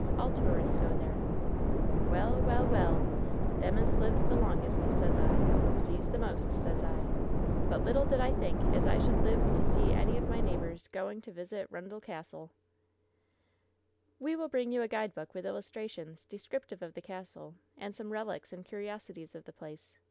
All tourists go there." "Well, well, well I Them as lives the longest, sez I, sees the most, sez I. But little did I think as I should live to see any of my neighbors going to visit 'Rundel Cassil!" "We will bring you a guidebook with illustrations, de scriptive of the castle, and some relics and curiosities of the place.